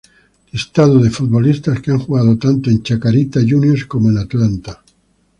Listado de futbolistas que han jugado tanto en Chacarita Juniors como en Atlanta.